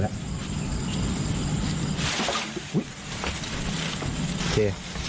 โอเค